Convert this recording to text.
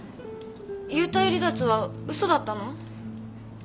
幽体離脱は嘘だったの？